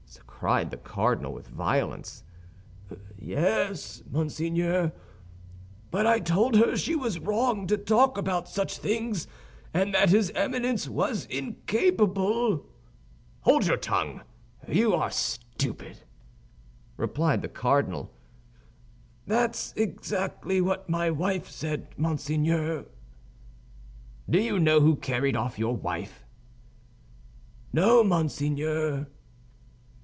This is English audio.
cried the cardinal, with violence. "Yes, monseigneur, but I told her she was wrong to talk about such things; and that his Eminence was incapable—" "Hold your tongue! You are stupid," replied the cardinal. "That's exactly what my wife said, monseigneur." "Do you know who carried off your wife?" "No, monseigneur."